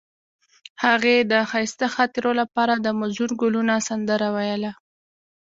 هغې د ښایسته خاطرو لپاره د موزون ګلونه سندره ویله.